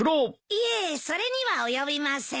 いえそれには及びません。